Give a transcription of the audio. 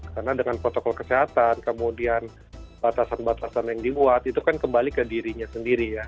karena dengan protokol kesehatan kemudian batasan batasan yang dibuat itu kan kembali ke dirinya sendiri ya